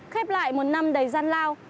khép lại một năm đầy gian lao